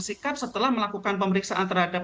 sikap setelah melakukan pemeriksaan terhadap